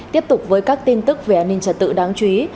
tiếp tục với các tin tức về an ninh trật tự đáng chú ý